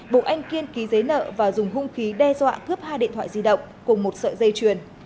buộc anh kiên ký giấy nợ và dùng hung khí đe dọa cướp hai điện thoại di động cùng một sợi dây chuyền